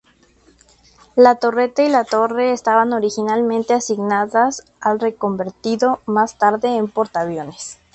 La torreta y la torre estaban originalmente asignadas al reconvertido más tarde en portaaviones.